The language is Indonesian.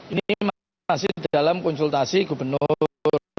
ini masih dalam konsultasi gubernur